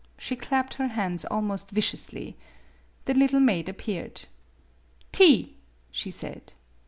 She clapped her hands almost viciously. The little maid appeared. " Tea! " she said.